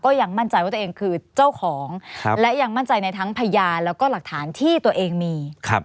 ยังมั่นใจว่าตัวเองคือเจ้าของและยังมั่นใจในทั้งพยานแล้วก็หลักฐานที่ตัวเองมี